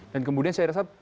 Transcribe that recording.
dan kemudian saya rasa